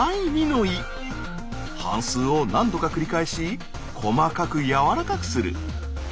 反すうを何度か繰り返し細かくやわらかくする。